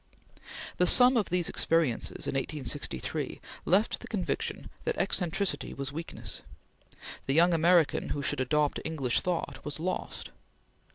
The sum of these experiences in 1863 left the conviction that eccentricity was weakness. The young American who should adopt English thought was lost.